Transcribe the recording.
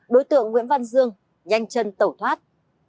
đối tượng nguyễn văn dương nhanh chân tẩu thoát